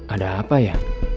ada apa ya